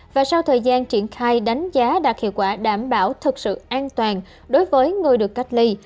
và sau thời gian triển khai đánh giá đạt hiệu quả đảm bảo thực sự an toàn đối với người được cách ly